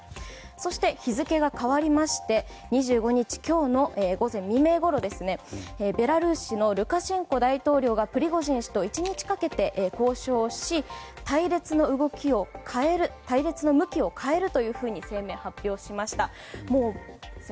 そして、日付が変わりまして２５日、今日の午前未明ごろベラルーシのルカシェンコ大統領がプリゴジン氏と１日かけて交渉をし隊列の向きを変えると声明を発表しました。